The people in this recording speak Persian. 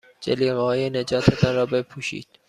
جلیقههای نجات تان را بپوشید.